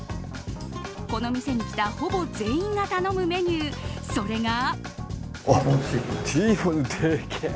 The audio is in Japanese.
この店に来たほぼ全員が頼むメニュー、それが。